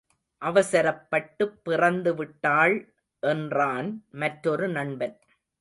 அவசரப்பட்டுப் பிறந்து விட்டாள் என்றான் மற்றொரு நண்பன்.